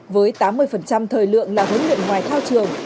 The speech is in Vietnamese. với tám mươi thời lượng là huấn luyện ngoài thao trường